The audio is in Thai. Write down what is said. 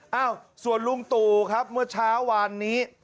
เอ้าส่วนลุงตู่ครับเมื่อเช้าวานนี้